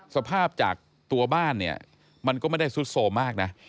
สภาพจากตัวบ้านเนี่ยมันก็ไม่ได้ซุดโสมมากนะ